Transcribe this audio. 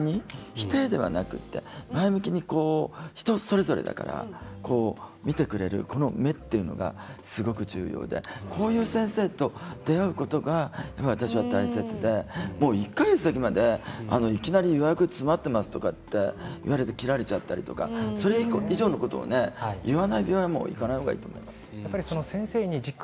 否定ではなくて前向きにね人それぞれだから診てくれるそれがすごく重要でこういう先生と出会うことが私が大切で１か月先までいきなり予約が詰まってますって言われて切られちゃったらそれ以上のことを言わない病院は行かない方がいいと思います。